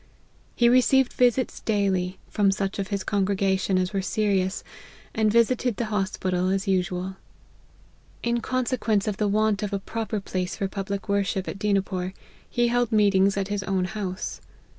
He received visits daily, from such of his congregation as were serious, and visited the hospital as usual. In consequence of L1FJB OF HENRY MARTYN. 109 the want of a proper place for public worship at Dinapore, he held meetings at his own house.